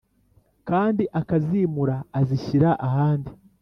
Kandi akazimura azishyira ahandi